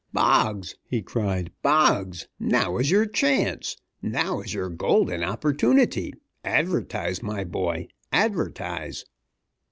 "Boggs!" he cried, "Boggs! Now is your chance! Now is your golden opportunity! Advertise, my boy, advertise!"